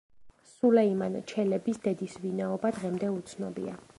სულეიმან ჩელების დედის ვინაობა დღემდე უცნობია.